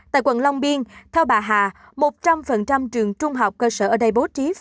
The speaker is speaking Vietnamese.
tại quận long biên theo bà hà một trăm linh trường trung học cơ sở ở đây bố trí